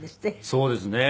そうですね。